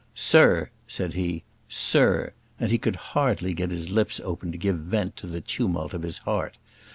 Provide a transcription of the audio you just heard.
"Sir," said he; "sir:" and he could hardly get his lips open to give vent to the tumult of his heart.